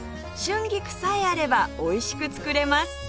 春菊さえあればおいしく作れます